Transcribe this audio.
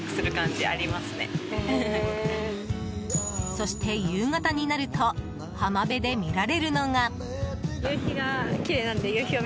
そして、夕方になると浜辺で見られるのが。